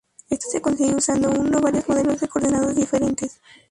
Esto se consigue usando uno o varios modelos de coordenadas diferentes.